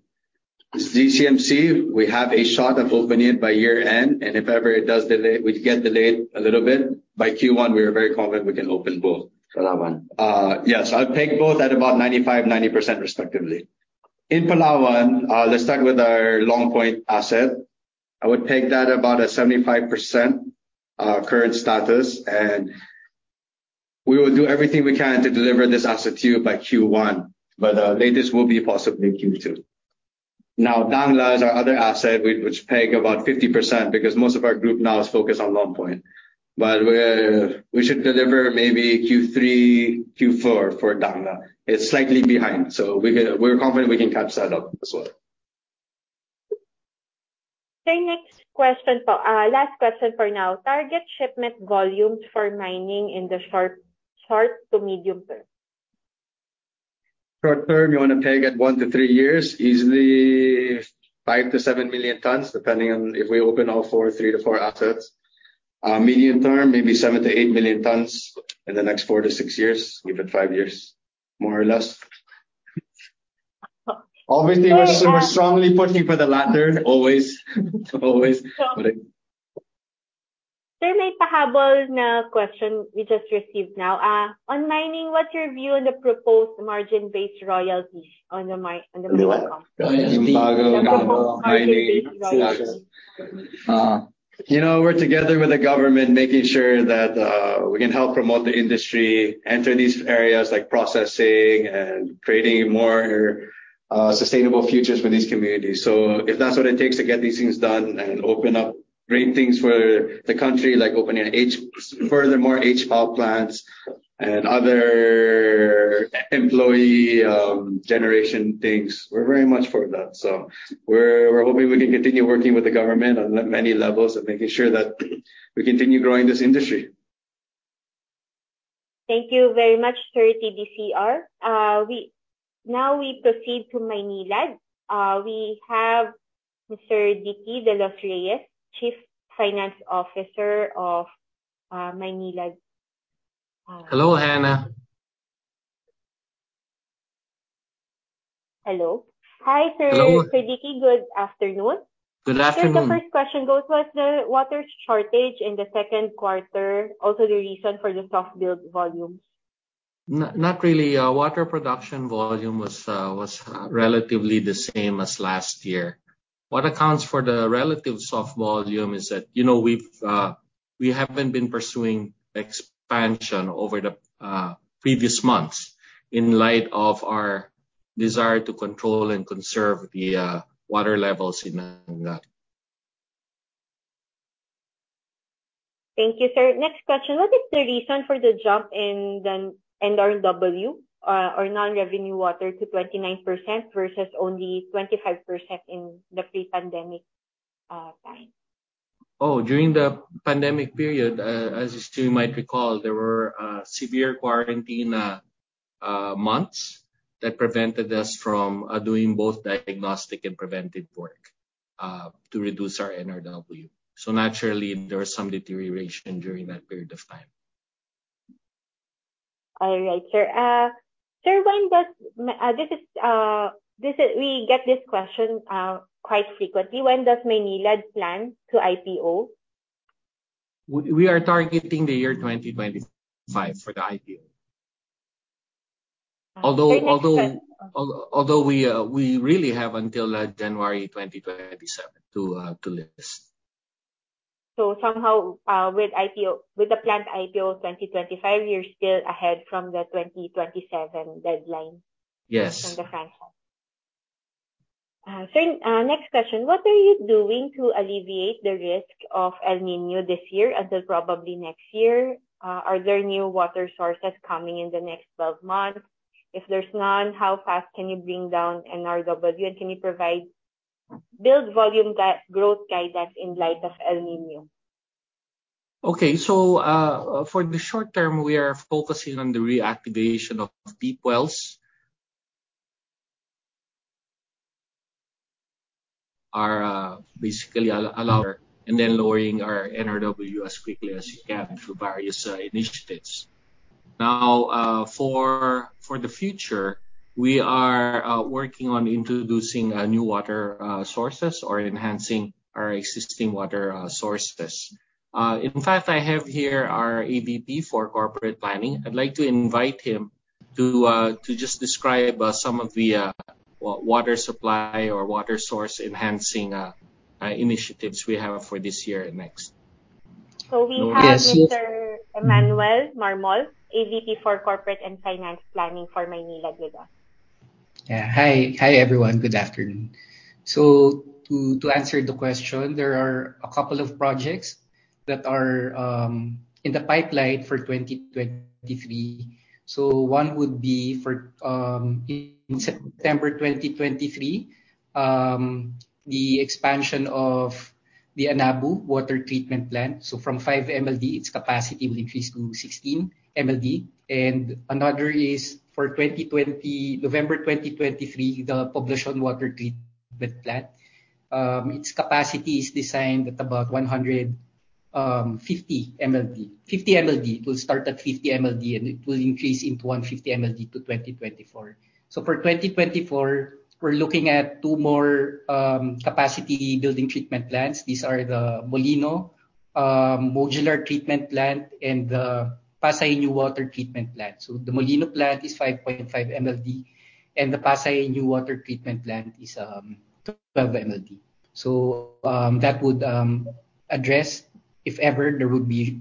Speaker 8: ZCMC, we have a shot of opening it by year-end, and if ever it does delay, we get delayed a little bit, by Q1, we are very confident we can open both.
Speaker 7: Palawan.
Speaker 8: Yes. I'd peg both at about 95, 90%, respectively. In Palawan, let's start with our Long Point asset. I would peg that about a 75% current status, and we will do everything we can to deliver this asset to you by Q1, but latest will be possibly Q2. Now, Dangla is our other asset, which peg about 50% because most of our group now is focused on Long Point. We should deliver maybe Q3, Q4 for Dangla. It's slightly behind, so we're confident we can catch that up as well.
Speaker 1: Sir, next question po. Last question for now. Target shipment volumes for mining in the short to medium term?
Speaker 8: Short term, you wanna peg at one to three years, easily 5 million-7 million tons, depending on if we open all four, three to four assets. Medium term, maybe 7 million -8 million tons in the next four to six years, give it five years, more or less. Obviously, we're strongly pushing for the latter, always.
Speaker 1: Sir, may pahabol na question we just received now. On mining, what's your view on the proposed margin-based royalties on the nickel?
Speaker 8: Royalty.
Speaker 1: The proposed margin-based royalties.
Speaker 8: You know, we're together with the government, making sure that we can help promote the industry, enter these areas like processing and creating more sustainable futures for these communities. If that's what it takes to get these things done and open up great things for the country, like opening hydropower plants and other employment generation things, we're very much for that. We're hoping we can continue working with the government on many levels and making sure that we continue growing this industry.
Speaker 1: Thank you very much, sir TDCR. Now we proceed to Maynilad. We have Mr. Dicky de los Reyes, Chief Finance Officer of Maynilad.
Speaker 9: Hello, Hannah.
Speaker 1: Hello. Hi, sir.
Speaker 9: Hello.
Speaker 1: Sir Dicky. Good afternoon.
Speaker 9: Good afternoon.
Speaker 1: Sir, the first question goes, was the water shortage in the second quarter also the reason for the soft billed volumes?
Speaker 9: Not really. Water production volume was relatively the same as last year. What accounts for the relative soft volume is that, you know, we haven't been pursuing expansion over the previous months in light of our desire to control and conserve the water levels in Angat.
Speaker 1: Thank you, sir. Next question. What is the reason for the jump in the NRW, or non-revenue water to 29% versus only 25% in the pre-pandemic time?
Speaker 9: During the pandemic period, as you two might recall, there were severe quarantine months that prevented us from doing both diagnostic and preventive work to reduce our NRW. Naturally, there was some deterioration during that period of time.
Speaker 1: All right, sir. Sir, we get this question quite frequently. When does Maynilad plan to IPO?
Speaker 9: We are targeting the year 2025 for the IPO. Although we really have until January 2027 to list.
Speaker 1: Somehow, with IPO, with the planned IPO 2025, you're still ahead from the 2027 deadline.
Speaker 9: Yes.
Speaker 1: from the franchise. Sir, next question. What are you doing to alleviate the risk of El Niño this year and then probably next year? Are there new water sources coming in the next 12 months? If there's none, how fast can you bring down NRW? And can you provide billed volume growth guidance in light of El Niño?
Speaker 9: Okay, for the short term, we are focusing on the reactivation of deep wells and then lowering our NRW as quickly as we can through various initiatives. Now, for the future, we are working on introducing new water sources or enhancing our existing water sources. In fact, I have here our AVP for corporate planning. I'd like to invite him to just describe some of the water supply or water source enhancing initiatives we have for this year and next.
Speaker 1: So we have-
Speaker 9: Yes.
Speaker 1: Mr. Emmanuel Marmol, AVP for Corporate and Finance Planning for Maynilad with us.
Speaker 10: Hi. Hi, everyone. Good afternoon. To answer the question, there are a couple of projects that are in the pipeline for 2023. One would be in September 2023, the expansion of the Anabu Modular Treatment Plant. From 5 MLD, its capacity will increase to 16 MLD. Another is for November 2023, the Poblacion Water Treatment Plant. Its capacity is designed at about 150 MLD. It will start at 50 MLD, and it will increase into 150 MLD to 2024. For 2024, we are looking at two more capacity building treatment plants. These are the Molino Modular Treatment Plant and the Pasay New Water Treatment Plant. The Molino Plant is 5.5 MLD, and the Pasay New Water Treatment Plant is 12 MLD. That would address if ever there would be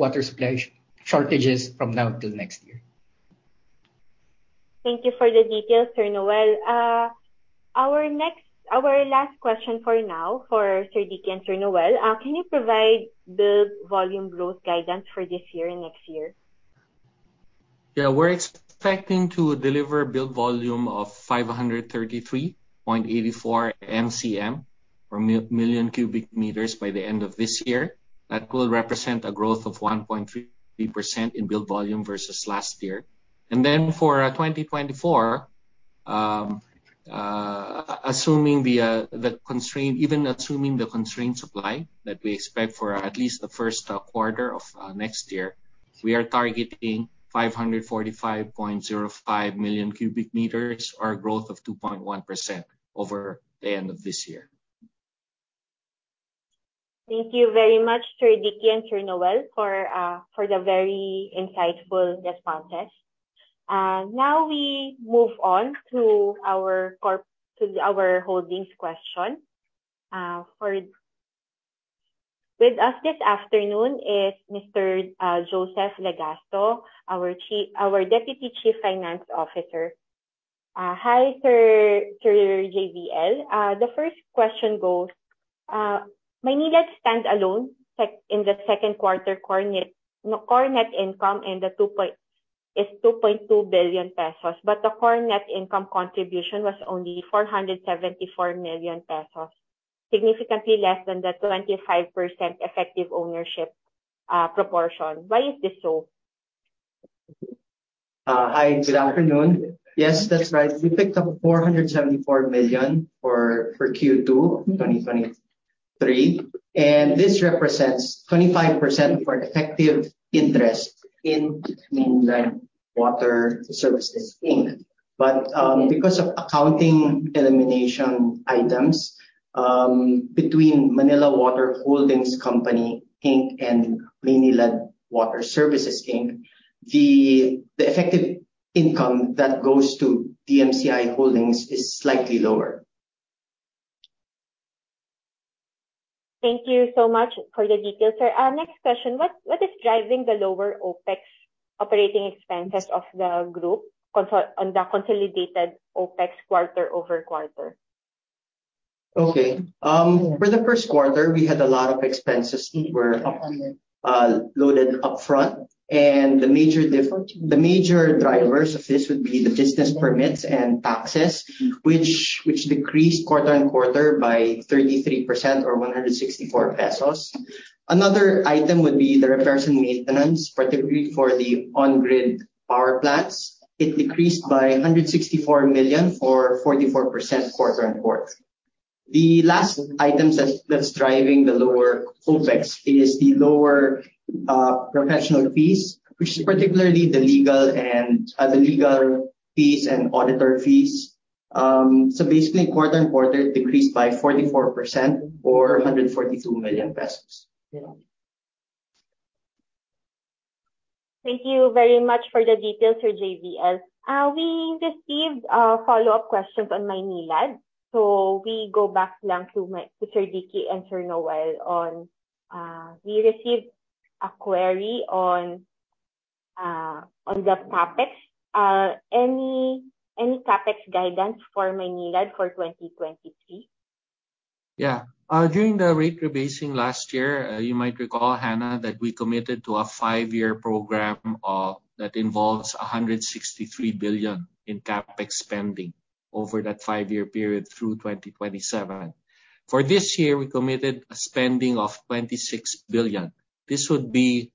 Speaker 10: water supply shortages from now till next year.
Speaker 1: Thank you for the details, Sir Noel. Our last question for now, for Sir Dicky and Sir Noel, can you provide billed volume growth guidance for this year and next year?
Speaker 9: Yeah. We're expecting to deliver billed volume of 533.84 MCM, or million cubic meters, by the end of this year. That will represent a growth of 1.3% in billed volume versus last year. For 2024, assuming the constrained supply that we expect for at least the first quarter of next year, we are targeting 545.05 million cubic meters or a growth of 2.1% over the end of this year.
Speaker 1: Thank you very much, Sir Dicky and Sir Noel, for the very insightful responses. Now we move on to our holdings question. With us this afternoon is Mr. Joseph Legasto, our Deputy Chief Finance Officer. Hi, Sir JBL. The first question goes, Maynilad standalone in the second quarter core net income is 2.2 billion pesos, but the core net income contribution was only 474 million pesos, significantly less than the 25% effective ownership proportion. Why is this so?
Speaker 11: Good afternoon. Yes, that's right. We picked up 474 million for Q2 of 2023, and this represents 25% effective interest in Maynilad Water Services, Inc. Because of accounting elimination items between Maynilad Water Holdings Company, Inc. and Maynilad Water Services, Inc., the effective income that goes to DMCI Holdings is slightly lower.
Speaker 1: Thank you so much for the details, sir. Next question. What is driving the lower Opex operating expenses of the group on the consolidated Opex quarter-over-quarter?
Speaker 11: Okay. For the first quarter, we had a lot of expenses that were loaded upfront and the major drivers of this would be the business permits and taxes which decreased quarter-over-quarter by 33% or 164 pesos. Another item would be the repairs and maintenance, particularly for the on-grid power plants. It decreased by 164 million or 44% quarter-over-quarter. The last items that's driving the lower Opex is the lower professional fees, which is particularly the legal fees and auditor fees. Basically quarter-over-quarter, it decreased by 44% or PHP 142 million.
Speaker 1: Thank you very much for the details, Sir JBL. We received a follow-up question on Maynilad. We go back lang to Sir Dicky and Sir Noel on, we received a query on the Capex. Any Capex guidance for Maynilad for 2023?
Speaker 9: Yeah. During the rate rebasing last year, you might recall, Hannah, that we committed to a five-year program that involves PHP 163 billion in Capex spending over that five-year period through 2027. For this year, we committed a spending of 26 billion. This would be,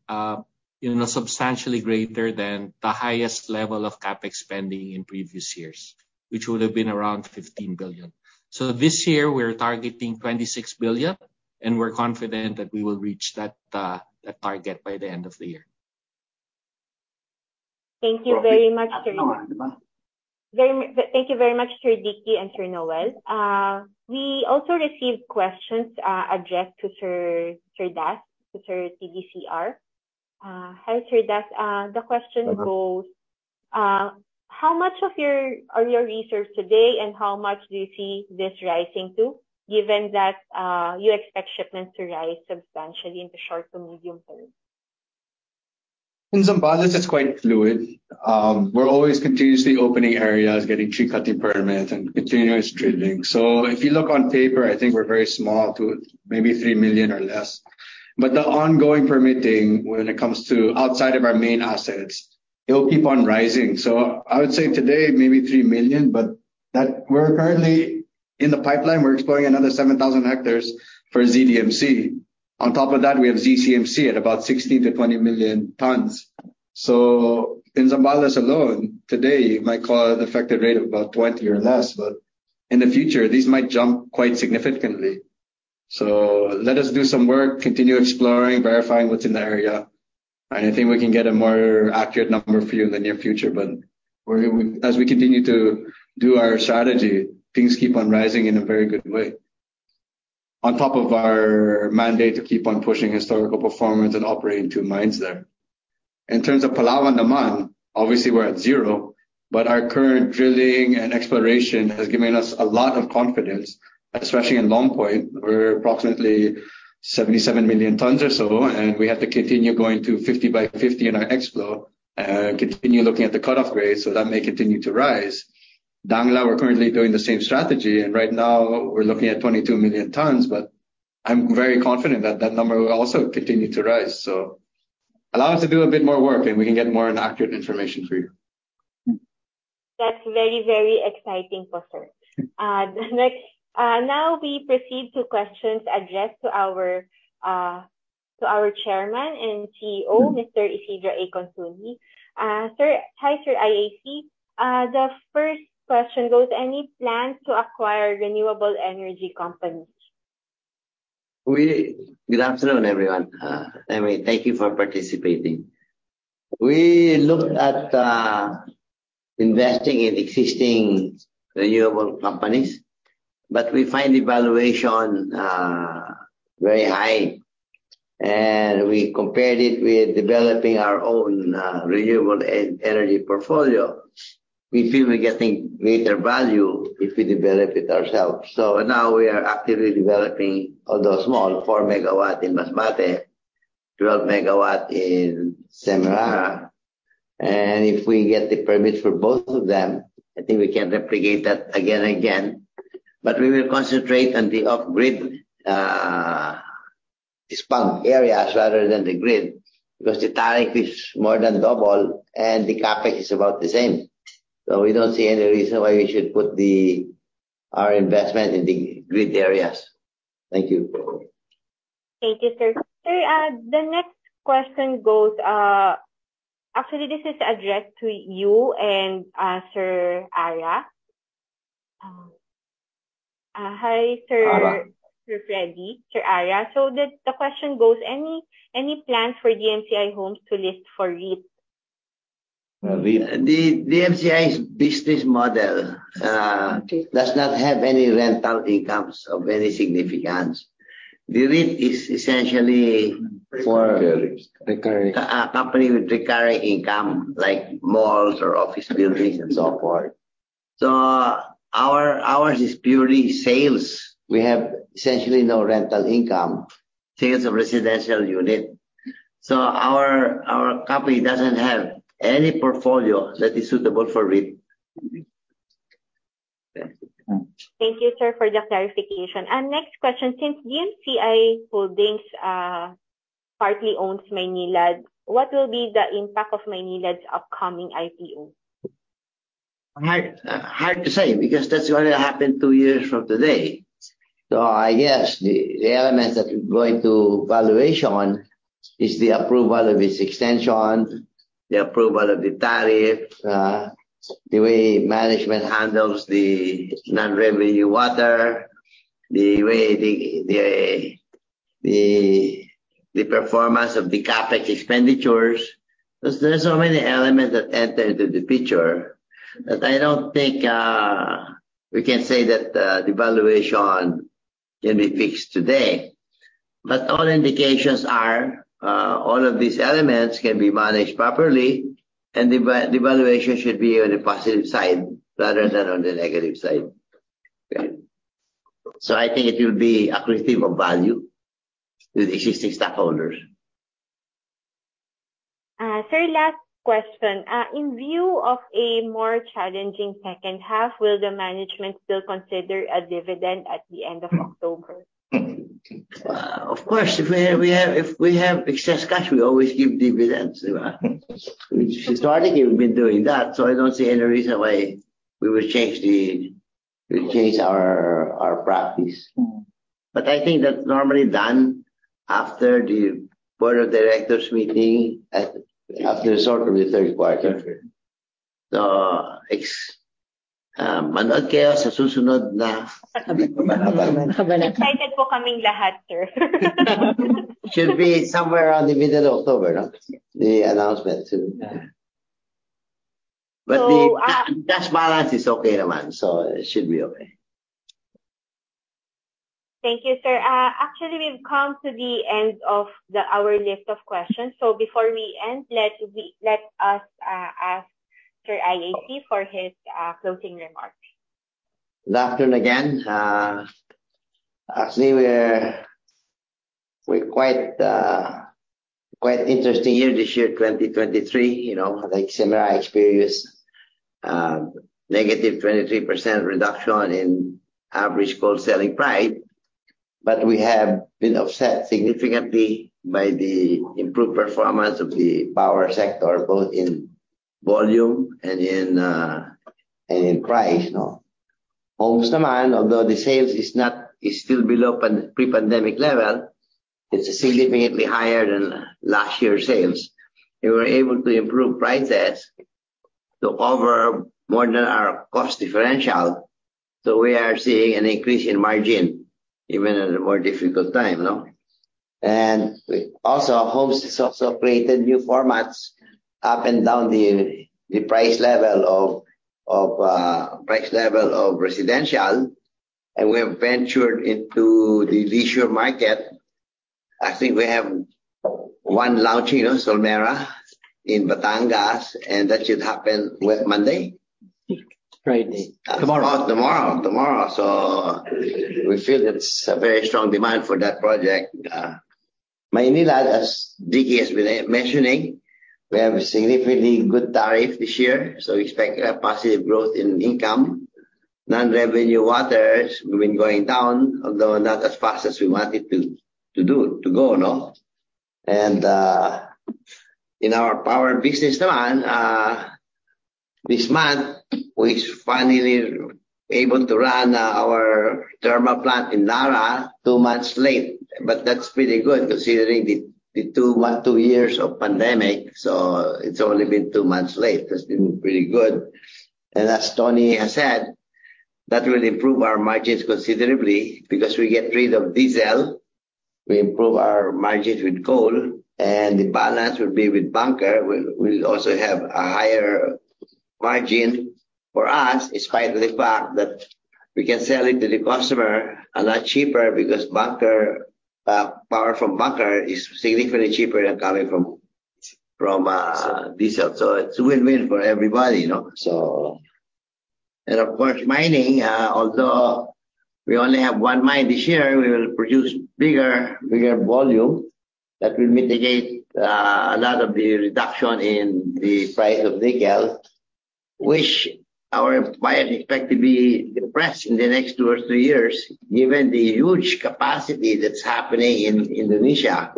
Speaker 9: you know, substantially greater than the highest level of Capex spending in previous years, which would have been around 15 billion. This year we're targeting 26 billion, and we're confident that we will reach that target by the end of the year.
Speaker 1: Thank you very much, sir. Thank you very much, Sir Dicky and Sir Noel. We also received questions addressed to Sir Das, to Sir TDCR. Hi, Sir Das. The question goes, how much are your reserves today, and how much do you see this rising to, given that you expect shipments to rise substantially in the short to medium term?
Speaker 8: In Zambales, it's quite fluid. We're always continuously opening areas, getting tree cutting permit and continuous drilling. If you look on paper, I think we're very small to maybe 3 million or less. But the ongoing permitting when it comes to outside of our main assets, it'll keep on rising. I would say today, maybe 3 million, but that. We're currently in the pipeline. We're exploring another 7,000 hectares for ZDMC. On top of that, we have ZCMC at about 16 million-20 million tons. In Zambales alone, today you might call it effective rate of about 20 or less, but in the future these might jump quite significantly. Let us do some work, continue exploring, verifying what's in the area, and I think we can get a more accurate number for you in the near future. As we continue to do our strategy, things keep on rising in a very good way. On top of our mandate to keep on pushing historical performance and operating two mines there. In terms of Palawan naman, obviously we're at zero, but our current drilling and exploration has given us a lot of confidence, especially in Long Point, where approximately 77 million tons or so, and we have to continue going to 50 by 50 in our explore, continue looking at the cutoff grade, so that may continue to rise. Dangla, we're currently doing the same strategy, and right now we're looking at 22 million tons, but I'm very confident that that number will also continue to rise. Allow us to do a bit more work, and we can get more and accurate information for you.
Speaker 1: That's very, very exciting po, sir. Next, now we proceed to questions addressed to our Chairman and CEO, Mr. Isidro A. Consunji. Sir, hi, Sir IAC. The first question goes, any plans to acquire renewable energy companies?
Speaker 12: Good afternoon, everyone. I mean, thank you for participating. We looked at investing in existing renewable companies, but we find the valuation very high. We compared it with developing our own renewable energy portfolio. We feel we're getting greater value if we develop it ourselves. Now we are actively developing, although small, 4 MW in Masbate, 12 MW in Semirara. If we get the permits for both of them, I think we can replicate that again and again. We will concentrate on the off-grid SPUG areas rather than the grid because the tariff is more than double and the Capex is about the same. We don't see any reason why we should put our investment in the grid areas. Thank you.
Speaker 1: Thank you, sir. Sir, the next question goes, actually, this is addressed to you and, Sir AYA. Hi, sir-
Speaker 3: ARA.
Speaker 1: Sir Freddy, Sir ARA. The question goes, any plans for DMCI Homes to list for REIT?
Speaker 3: The DMCI's business model does not have any rental incomes of any significance. The REIT is essentially for- Recurring. a company with recurring income like malls or office buildings and so forth. Ours is purely sales. We have essentially no rental income. Sales of residential unit. Our company doesn't have any portfolio that is suitable for REIT.
Speaker 1: Thank you, sir, for the clarification. Next question, since DMCI Holdings partly owns Maynilad, what will be the impact of Maynilad's upcoming IPO?
Speaker 12: Hard to say because that's going to happen two years from today. I guess the elements that go into valuation is the approval of its extension, the approval of the tariff, the way management handles the non-revenue water, the way the performance of the Capex expenditures. There are so many elements that enter into the picture that I don't think we can say that the valuation can be fixed today. All indications are all of these elements can be managed properly and the valuation should be on the positive side rather than on the negative side. I think it will be accretive of value to the existing stockholders.
Speaker 1: Sir, last question. In view of a more challenging second half, will the management still consider a dividend at the end of October?
Speaker 12: Of course, if we have excess cash, we always give dividends. We've historically been doing that, so I don't see any reason why we would change our practice. I think that's normally done after the board of directors meeting after sort of the third quarter. manood kayo sa susunod na
Speaker 1: Excited po kaming lahat, sir.
Speaker 12: Should be somewhere around the middle of October, no? The announcement. But the cash balance is okay naman, so it should be okay.
Speaker 1: Thank you, sir. Actually, we've come to the end of our list of questions. Before we end, let us ask Sir IAC for his closing remarks.
Speaker 3: Good afternoon again. Actually we're quite interesting year this year, 2023. You know, like Semirara experienced negative 23% reduction in average coal selling price. We have been offset significantly by the improved performance of the power sector, both in volume and in price, no? Homes naman, although the sales is still below pre-pandemic level, it's significantly higher than last year's sales. We were able to improve prices to cover more than our cost differential, so we are seeing an increase in margin even in a more difficult time, no? We also, Homes has also created new formats up and down the price level of residential. We have ventured into the leisure market. I think we have one launching, Solmera, in Batangas, and that should happen, what, Monday?
Speaker 4: Friday. Tomorrow.
Speaker 3: Oh, tomorrow. We feel it's a very strong demand for that project. Maynilad, as Dicky has been mentioning, we have a significantly good tariff this year, so we expect a positive growth in income. Non-revenue water has been going down, although not as fast as we want it to, no? In our power business line, this month, we've finally been able to run our thermal plant in Narra two months late. That's pretty good considering the two years of pandemic, so it's only been two months late. That's pretty good. As Tony has said, that will improve our margins considerably because we get rid of diesel. We improve our margins with coal, and the balance will be with bunker. We'll also have a higher margin for us, despite the fact that we can sell it to the customer a lot cheaper because bunker power from bunker is significantly cheaper than coming from diesel. It's win-win for everybody, you know. Of course, mining, although we only have one mine this year, we will produce bigger volume that will mitigate a lot of the reduction in the price of nickel, which our buyers expect to be depressed in the next two or three years given the huge capacity that's happening in Indonesia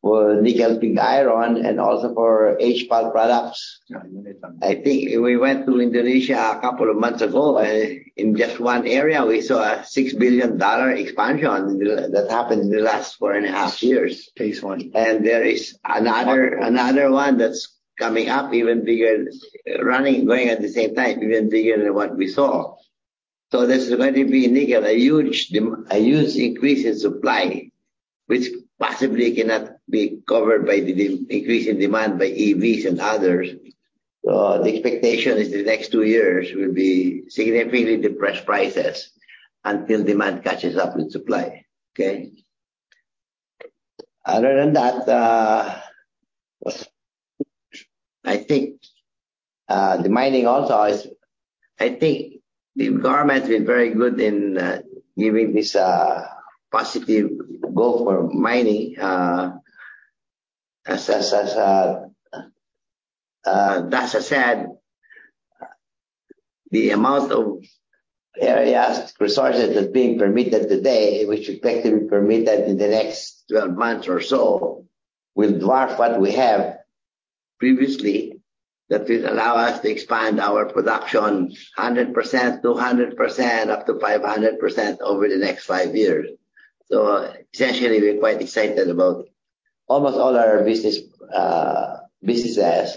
Speaker 3: for nickel pig iron and also for HPAL products.
Speaker 4: Yeah, Indonesia.
Speaker 3: I think we went to Indonesia a couple of months ago. In just one area, we saw a $6 billion expansion that happened in the last 4.5 years.
Speaker 4: Phase I.
Speaker 3: There is another one that's coming up even bigger, running, going at the same time, even bigger than what we saw. There's going to be nickel, a huge increase in supply which possibly cannot be covered by the increase in demand by EVs and others. The expectation is the next two years will be significantly depressed prices until demand catches up with supply. Okay. Other than that, I think the mining also is I think the government has been very good in giving this positive goal for mining. As Tulsidas Reyes said, the amount of areas, resources that's being permitted today, which are expected to be permitted in the next 12 months or so, will dwarf what we have previously. That will allow us to expand our production 100%, 200%, up to 500% over the next five years. Essentially, we're quite excited about almost all our business, businesses.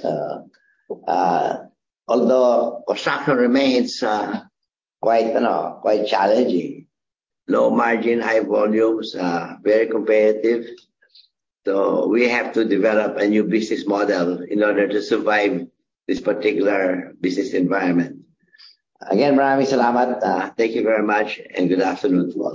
Speaker 3: Although construction remains quite, you know, quite challenging. Low margin, high volumes, very competitive. We have to develop a new business model in order to survive this particular business environment. Again, Maraming salamat. Thank you very much, and good afternoon to all.